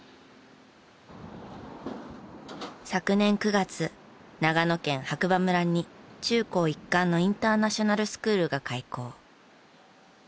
昨年９月長野県白馬村に中高一貫のインターナショナルスクールが開校。